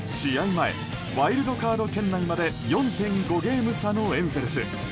前、ワイルドカード圏内まで４．５ゲーム差のエンゼルス。